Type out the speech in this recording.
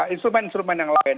instrumen instrumen yang lain